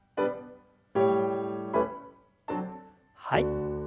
はい。